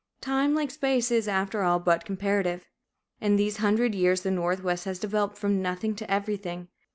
Time, like space, is, after all, but comparative. In these hundred years the Northwest has developed from nothing to everything.